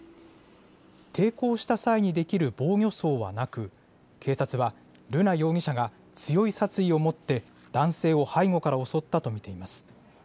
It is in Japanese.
抵抗した際に出来る防御創はなく、警察は、瑠奈容疑者が強い殺意を持って男性を背後から襲ったと見ています。